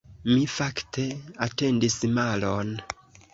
Mi fakte atendis malon.